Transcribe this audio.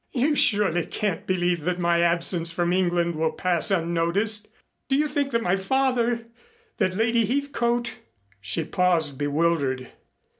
"You surely can't believe that my absence from England will pass unnoticed. Do you think that my father that Lady Heathcote " She paused bewildered.